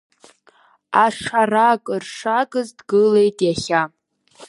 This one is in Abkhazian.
Ашара акыр шагыз дгылеит иахьа.